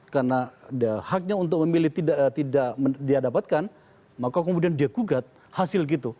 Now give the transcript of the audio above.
karena haknya untuk memilih tidak diadapatkan maka kemudian dia kugat hasil gitu